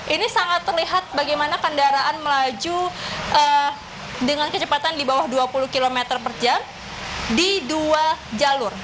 ini sangat terlihat bagaimana kendaraan melaju dengan kecepatan di bawah dua puluh km per jam di dua jalur